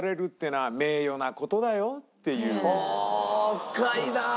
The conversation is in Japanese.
深いなあ。